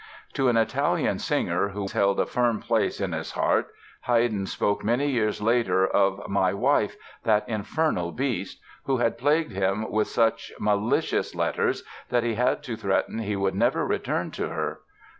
To an Italian singer, who held a firm place in his heart, Haydn spoke many years later of "my wife, that infernal beast", who had plagued him with such malicious letters that he had to threaten he would never return to her.